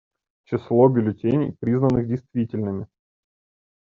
Число бюллетеней, признанных действительными.